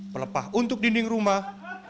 pelepah untuk dinding rumah